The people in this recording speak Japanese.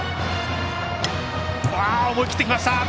思い切ってきました。